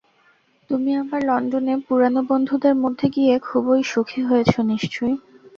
তুমি আবার লণ্ডনে পুরানো বন্ধুদের মধ্যে গিয়ে খুবই সুখী হয়েছ নিশ্চয়।